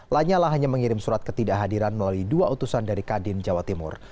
lanyala hanya mengirim surat ketidakhadiran melalui dua utusan dari kadin jawa timur